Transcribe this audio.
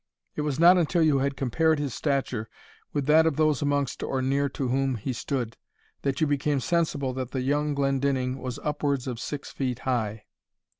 It was not until you had compared his stature with that of those amongst or near to whom he stood, that you became sensible that the young Glendinning was upwards of six feet high.